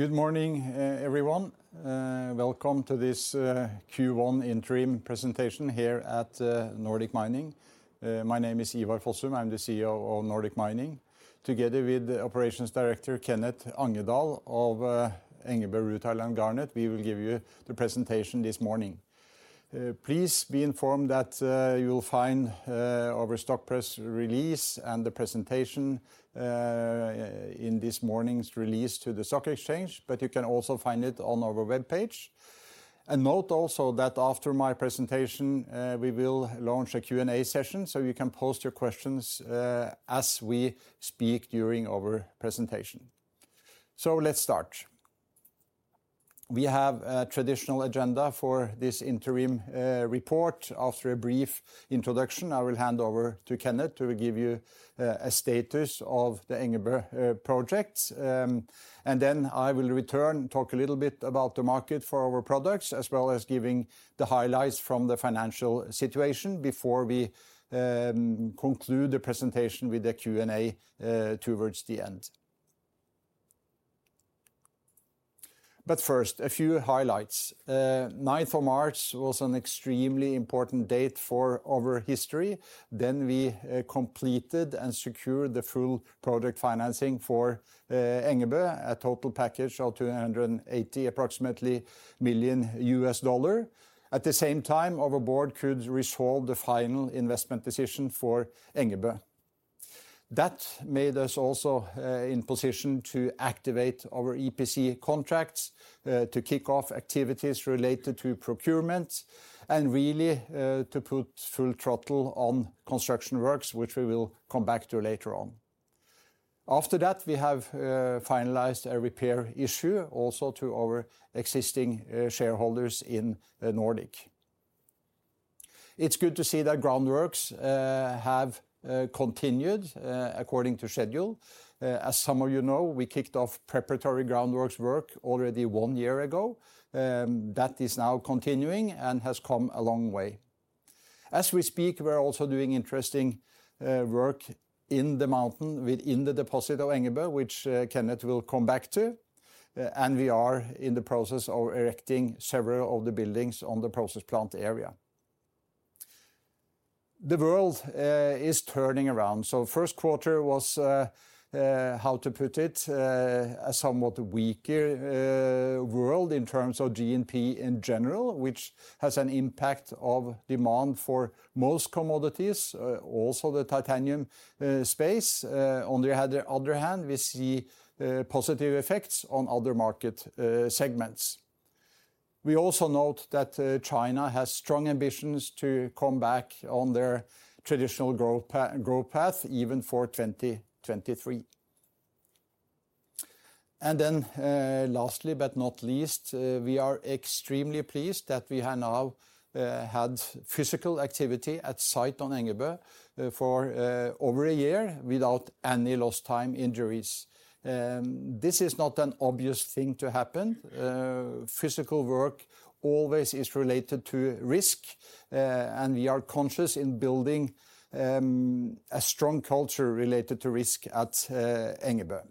Good morning, everyone. Welcome to this Q1 interim presentation here at Nordic Mining. My name is Ivar Fossum. I'm the CEO of Nordic Mining. Together with the Operations Director, Kenneth Angedal of Engebø Rutile and Garnet, we will give you the presentation this morning. Please be informed that you will find our stock press release and the presentation in this morning's release to the stock exchange, but you can also find it on our webpage. Note also that after my presentation, we will launch a Q&A session, so you can post your questions as we speak during our presentation. Let's start. We have a traditional agenda for this interim report. After a brief introduction, I will hand over to Kenneth to give you a status of the Engebø projects, then I will return, talk a little bit about the market for our products, as well as giving the highlights from the financial situation before we conclude the presentation with a Q&A towards the end. First, a few highlights. 9th of March was an extremely important date for our history. Then we completed and secured the full project financing for Engebø, a total package of approximately $280 million. At the same time, our board could resolve the final investment decision for Engebø. That made us also in position to activate our EPC contracts to kick off activities related to procurement and really to put full throttle on construction works, which we will come back to later on. After that, we have finalized a repair issue also to our existing shareholders in Nordic. It's good to see that groundworks have continued according to schedule. As some of you know, we kicked off preparatory groundworks work already one year ago, that is now continuing and has come a long way. As we speak, we're also doing interesting work in the mountain within the deposit of Engebø, which Kenneth will come back to, and we are in the process of erecting several of the buildings on the process plant area. The world is turning around, first quarter was how to put it, a somewhat weaker world in terms of GNP in general, which has an impact of demand for most commodities, also the titanium space. On the other hand, we see positive effects on other market segments. We also note that China has strong ambitions to come back on their traditional growth path, even for 2023. Lastly but not least, we are extremely pleased that we have now had physical activity at site on Engebø for over a year without any lost time injuries. This is not an obvious thing to happen. Physical work always is related to risk. We are conscious in building a strong culture related to risk at Engebø.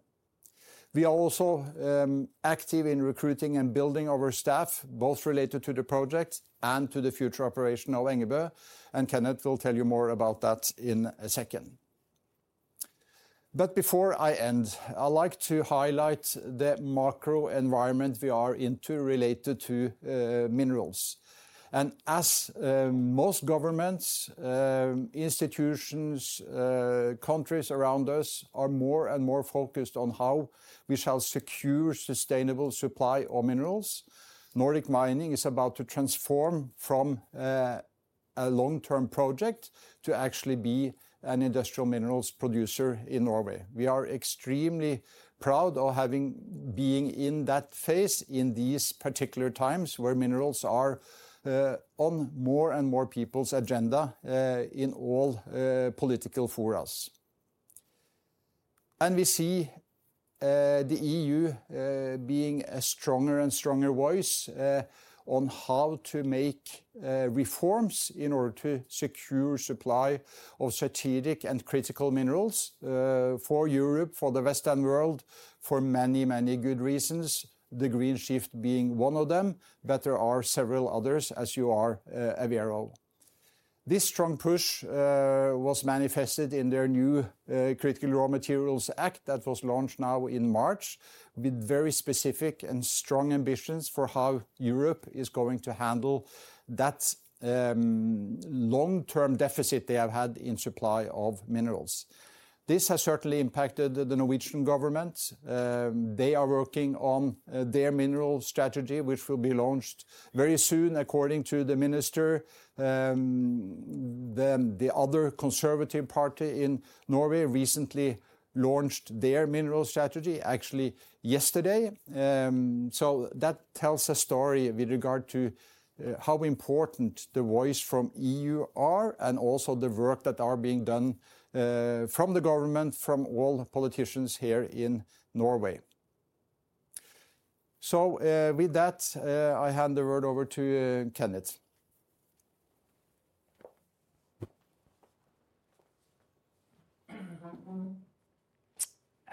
We are also active in recruiting and building our staff, both related to the project and to the future operation of Engebø, Kenneth will tell you more about that in a second. Before I end, I'd like to highlight the macro environment we are into related to minerals. As most governments, institutions, countries around us are more and more focused on how we shall secure sustainable supply of minerals, Nordic Mining is about to transform from a long-term project to actually be an industrial minerals producer in Norway. We are extremely proud of being in that phase in these particular times, where minerals are on more and more people's agenda in all political forums. We see the EU being a stronger and stronger voice on how to make reforms in order to secure supply of strategic and critical minerals for Europe, for the Western world, for many, many good reasons, the green shift being one of them, but there are several others, as you are aware of. This strong push was manifested in their new Critical Raw Materials Act that was launched now in March with very specific and strong ambitions for how Europe is going to handle that long-term deficit they have had in supply of minerals. This has certainly impacted the Norwegian government. They are working on their mineral strategy, which will be launched very soon, according to the minister. The other conservative party in Norway recently launched their mineral strategy actually yesterday, so that tells a story with regard to how important the voice from EU are and also the work that are being done from the government, from all politicians here in Norway. With that, I hand the word over to Kenneth.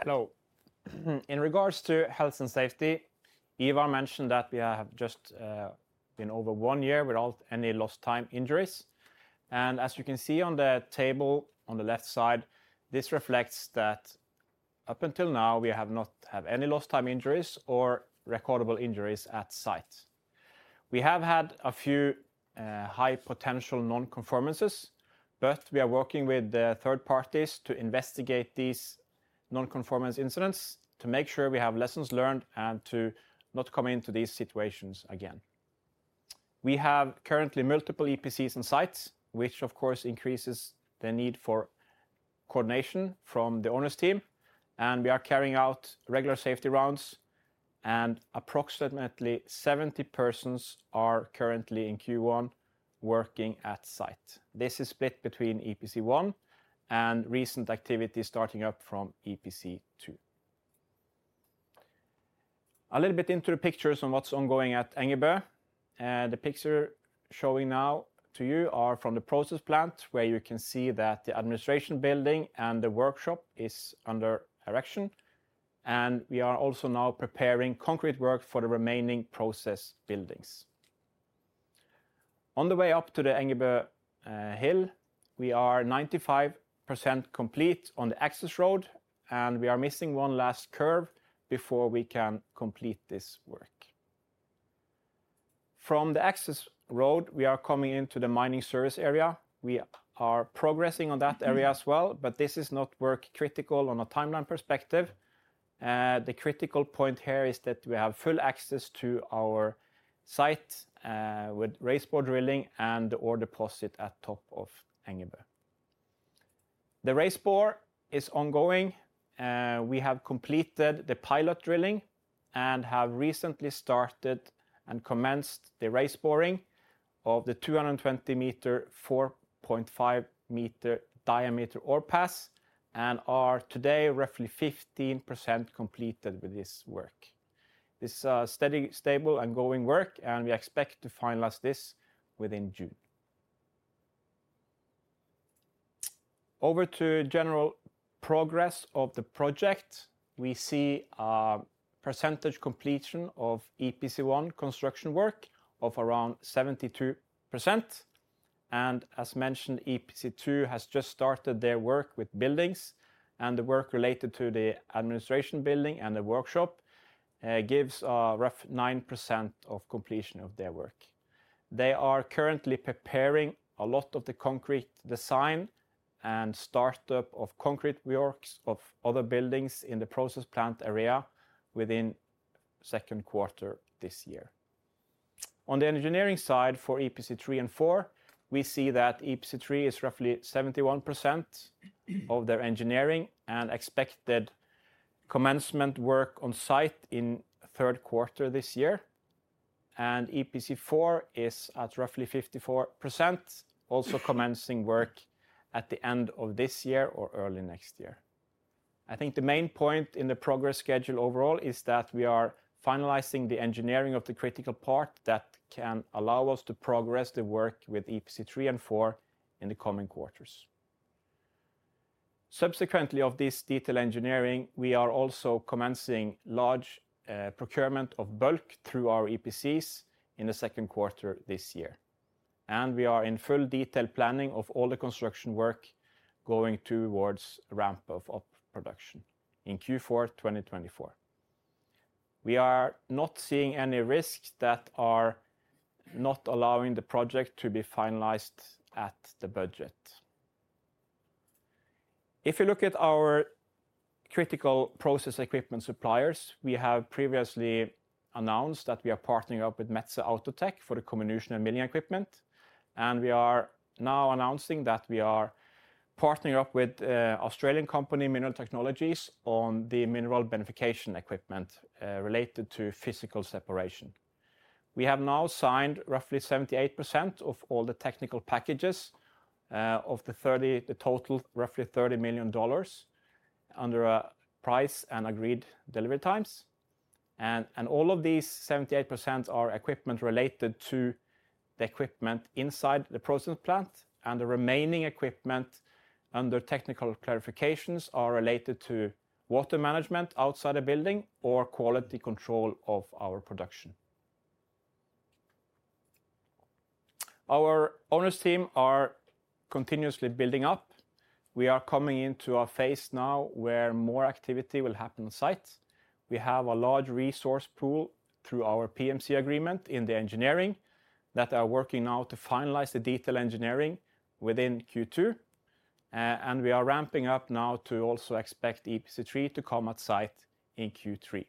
Hello. In regards to health and safety, Ivar mentioned that we have just been over one year without any lost time injuries. As you can see on the table on the left side, this reflects that up until now we have not had any lost time injuries or recordable injuries at site. We have had a few high potential non-conformances, but we are working with the third parties to investigate these non-conformance incidents to make sure we have lessons learned and to not come into these situations again. We have currently multiple EPCs in sites, which of course increases the need for coordination from the owners team, and we are carrying out regular safety rounds, and approximately 70 persons are currently in Q1 working at site. This is split between EPC1 and recent activity starting up from EPC2. A little bit into the pictures on what's ongoing at Engebø. The picture showing now to you are from the process plant, where you can see that the administration building and the workshop is under erection. We are also now preparing concrete work for the remaining process buildings. On the way up to the Engebø hill, we are 95% complete on the access road. We are missing one last curve before we can complete this work. From the access road, we are coming into the mining service area. We are progressing on that area as well. This is not work critical on a timeline perspective. The critical point here is that we have full access to our site with raise bore drilling and ore deposit at top of Engebø. The raise bore is ongoing. We have completed the pilot drilling and have recently started and commenced the raise boring of the 220 m, 4.5 m diameter ore pass and are today roughly 15% completed with this work. This steady, stable and going work and we expect to finalize this within June. Over to general progress of the project. We see a percentage completion of EPC1 construction work of around 72%. As mentioned, EPC2 has just started their work with buildings and the work related to the administration building and the workshop, gives a rough 9% of completion of their work. They are currently preparing a lot of the concrete design and startup of concrete works of other buildings in the process plant area within second quarter this year. On the Engineering side for EPC3 and 4, we see that EPC3 is roughly 71% of their engineering and expected commencement work on site in third quarter this year. EPC4 is at roughly 54%, also commencing work at the end of this year or early next year. I think the main point in the progress schedule overall is that we are finalizing the engineering of the critical part that can allow us to progress the work with EPC3 and 4 in the coming quarters. Subsequently of this detail engineering, we are also commencing large procurement of bulk through our EPCs in the second quarter this year. we are in full detail planning of all the construction work going towards ramp of up production in Q4 2024. We are not seeing any risks that are not allowing the project to be finalized at the budget. If you look at our critical process equipment suppliers, we have previously announced that we are partnering up with Metso Outotec for the comminution of mining equipment, and we are now announcing that we are partnering up with Australian company Mineral Technologies on the mineral beneficiation equipment related to physical separation. We have now signed roughly 78% of all the technical packages, of the total roughly $30 million under a price and agreed delivery times. All of these 78% are equipment related to the equipment inside the process plant, and the remaining equipment under technical clarifications are related to water management outside the building or quality control of our production. Our owners team are continuously building up. We are coming into a phase now where more activity will happen on site. We have a large resource pool through our PMC agreement in the engineering that are working now to finalize the detail engineering within Q2. We are ramping up now to also expect EPC3 to come at site in Q3.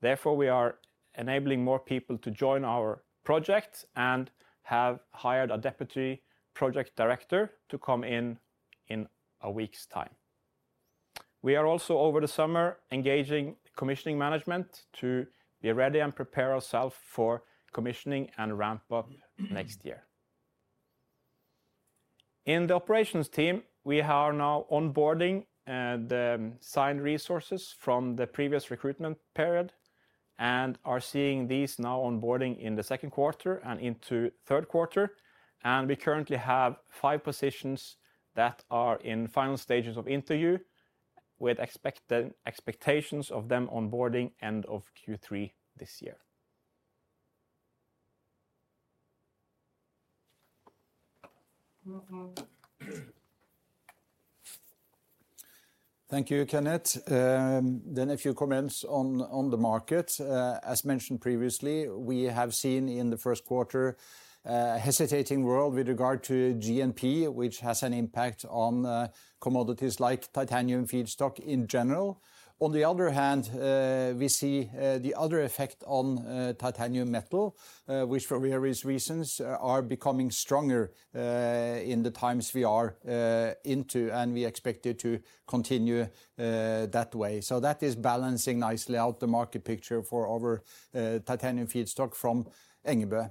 Therefore, we are enabling more people to join our project and have hired a deputy project director to come in in a week's time. We are also over the summer engaging commissioning management to be ready and prepare ourselves for commissioning and ramp up next year. In the operations team, we are now onboarding the signed resources from the previous recruitment period. Are seeing these now onboarding in the second quarter and into third quarter. We currently have five positions that are in final stages of interview with expectations of them onboarding end of Q3 this year. Thank you, Kenneth. A few comments on the market. As mentioned previously, we have seen in the first quarter, a hesitating world with regard to GNP, which has an impact on commodities like titanium feedstock in general. On the other hand, we see the other effect on titanium metal, which for various reasons are becoming stronger in the times we are into, and we expect it to continue that way. That is balancing nicely out the market picture for our titanium feedstock from Engebø.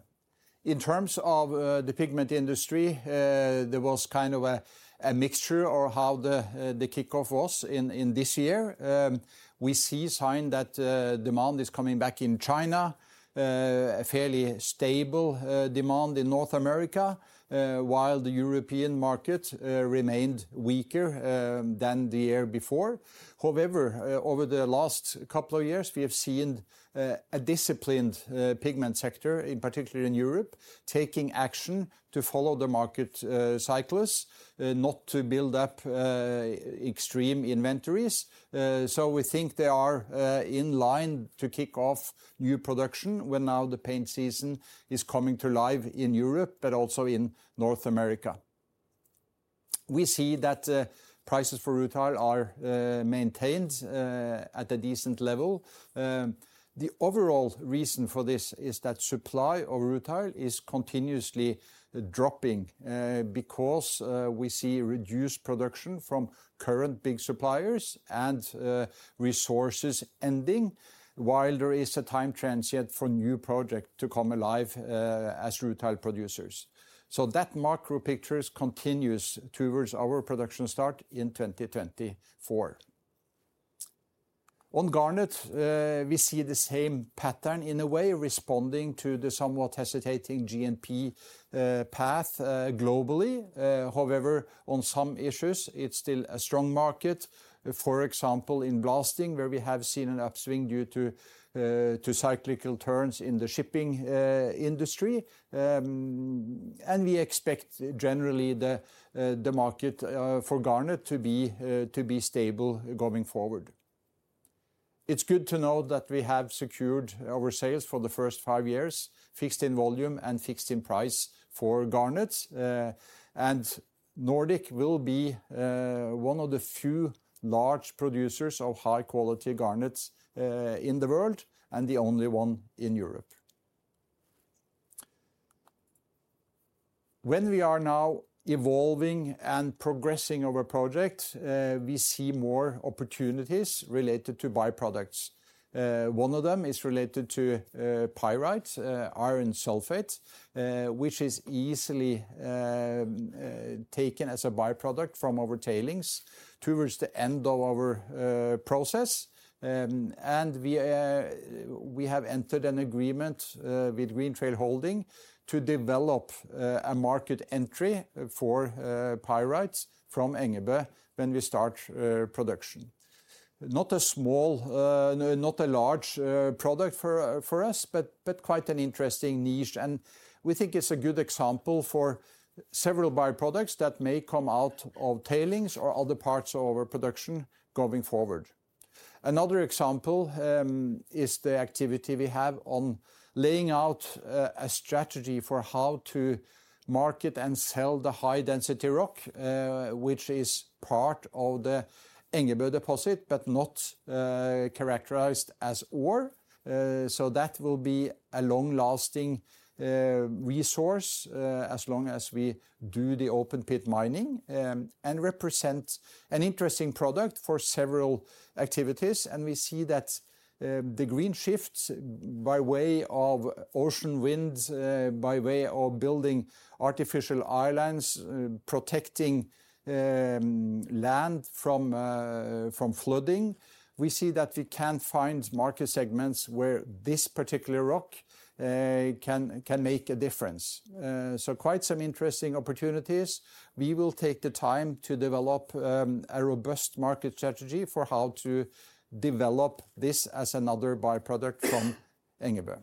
In terms of the pigment industry, there was kind of a mixture of how the kickoff was in this year. We see a sign that demand is coming back in China, a fairly stable demand in North America, while the European market remained weaker than the year before. However, over the last couple of years, we have seen a disciplined pigment sector, in particular in Europe, taking action to follow the market cycles, not to build up extreme inventories. We think they are in line to kick off new production when now the paint season is coming to life in Europe, but also in North America. We see that prices for rutile are maintained at a decent level. The overall reason for this is that supply of rutile is continuously dropping, because we see reduced production from current big suppliers and resources ending while there is a time transient for new project to come alive, as rutile producers. That macro picture continues towards our production start in 2024. On garnet, we see the same pattern in a way, responding to the somewhat hesitating GNP path globally. However, on some issues, it's still a strong market, for example, in blasting, where we have seen an upswing due to cyclical turns in the shipping industry. We expect generally the market for garnet to be stable going forward. It's good to know that we have secured our sales for the first 5 years, fixed in volume and fixed in price for garnets. Nordic will be one of the few large producers of high-quality garnets in the world and the only one in Europe. When we are now evolving and progressing our project, we see more opportunities related to byproducts. One of them is related to pyrite, iron sulfide, which is easily taken as a byproduct from our tailings towards the end of our process. We have entered an agreement with Green Trail Holding to develop a market entry for pyrites from Engebø when we start production. Not a small, not a large product for us, but quite an interesting niche. We think it's a good example for several byproducts that may come out of tailings or other parts of our production going forward. Another example is the activity we have on laying out a strategy for how to market and sell the high-density rock, which is part of the Engebø deposit, but not characterized as ore. So that will be a long-lasting resource as long as we do the open pit mining and represent an interesting product for several activities. We see that the green shifts by way of ocean winds, by way of building artificial islands, protecting land from flooding, we see that we can find market segments where this particular rock can make a difference. So quite some interesting opportunities. We will take the time to develop a robust market strategy for how to develop this as another byproduct from Engebø.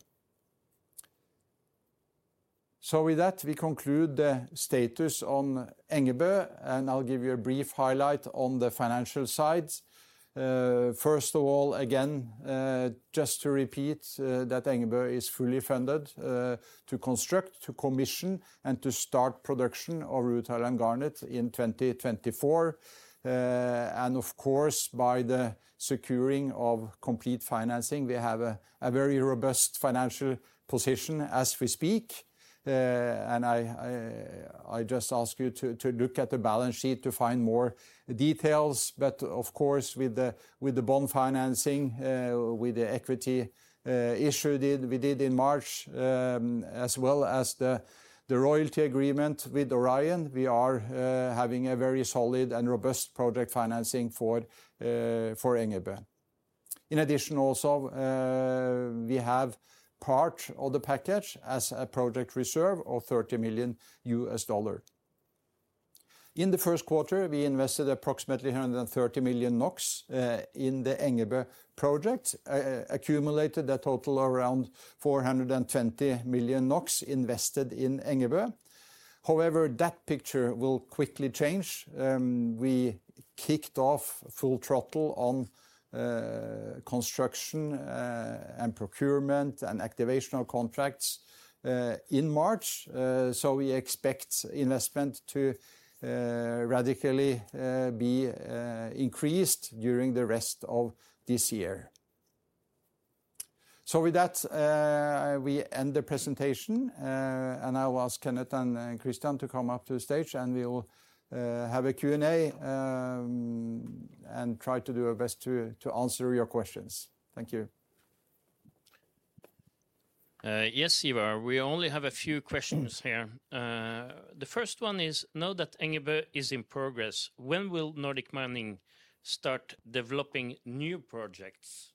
With that, we conclude the status on Engebø, and I'll give you a brief highlight on the financial side. First of all, again, just to repeat, that Engebø is fully funded, to construct, to commission, and to start production of rutile and garnet in 2024. Of course, by the securing of complete financing, we have a very robust financial position as we speak. And I just ask you to look at the balance sheet to find more details. Of course, with the, with the bond financing, with the equity issued in, we did in March, as well as the royalty agreement with Orion, we are having a very solid and robust project financing for Engebø. In addition also, we have part of the package as a project reserve of $30 million. In the first quarter, we invested approximately 130 million NOK in the Engebø project, accumulated a total around 420 million NOK invested in Engebø. However, that picture will quickly change. We kicked off full throttle on construction and procurement and activational contracts in March. So we expect investment to radically be increased during the rest of this year. With that, we end the presentation, and I'll ask Kenneth and Christian to come up to the stage, and we'll have a Q&A, and try to do our best to answer your questions. Thank you. Yes, Ivar. We only have a few questions here. The first one is, now that Engebø is in progress, when will Nordic Mining start developing new projects?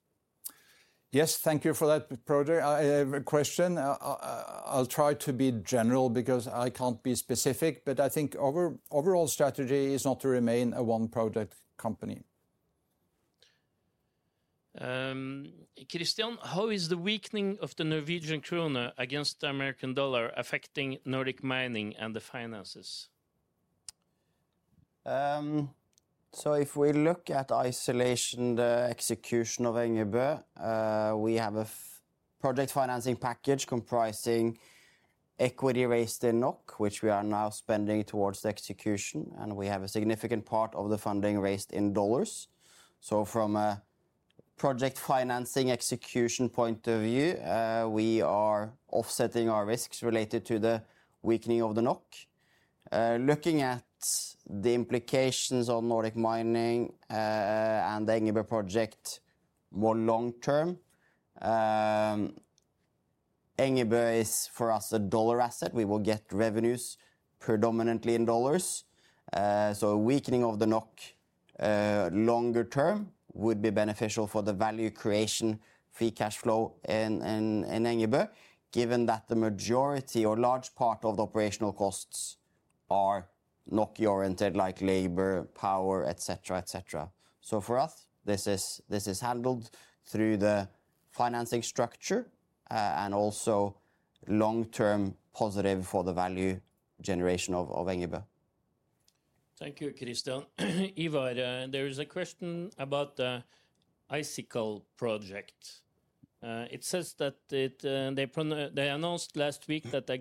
Yes, thank you for that, Broder. I have a question. I'll try to be general because I can't be specific. I think our overall strategy is not to remain a one-product company. Christian, how is the weakening of the Norwegian krone against the American dollar affecting Nordic Mining and the finances? If we look at isolation, the execution of Engebø, we have a project financing package comprising equity raised in NOK, which we are now spending towards the execution, and we have a significant part of the funding raised in USD. From a project financing execution point of view, we are offsetting our risks related to the weakening of the NOK. Looking at the implications on Nordic Mining and the Engebø project more long-term, Engebø is for us a USD asset. We will get revenues predominantly in USD. Weakening of the NOK longer term would be beneficial for the value creation free cash flow in Engebø, given that the majority or large part of the operational costs are NOK oriented, like labor, power, et cetera, et cetera. For us, this is handled through the financing structure, and also long-term positive for the value generation of Engebø. Thank you, Christian. Ivar, there is a question about the AlSiCal project. It says that it, they announced last week that a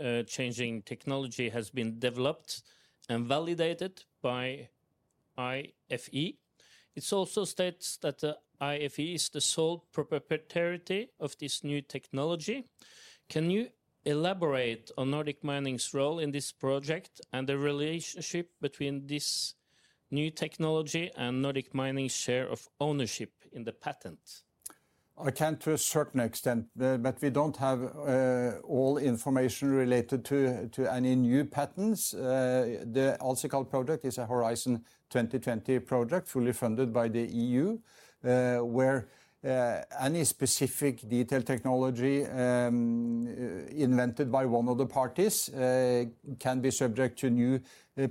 game-changing technology has been developed and validated by IFE. It also states that the IFE is the sole proprietorship of this new technology. Can you elaborate on Nordic Mining's role in this project and the relationship between this new technology and Nordic Mining's share of ownership in the patent? I can to a certain extent. We don't have all information related to any new patents. The AlSiCal project is a Horizon 2020 project fully funded by the EU, where any specific detailed technology invented by one of the parties can be subject to new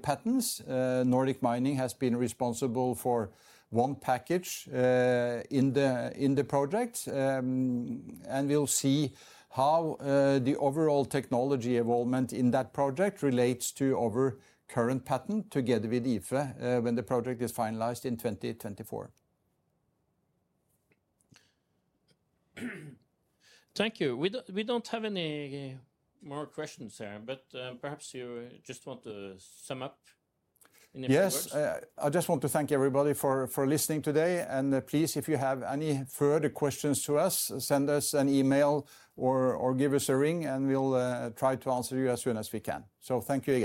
patents. Nordic Mining has been responsible for one package in the project. We'll see how the overall technology evolvement in that project relates to our current patent together with IFE, when the project is finalized in 2024. Thank you. We don't have any more questions here. Perhaps you just want to sum up in a few words. Yes. I just want to thank everybody for listening today. Please, if you have any further questions to us, send us an email or give us a ring, and we'll try to answer you as soon as we can. Thank you again.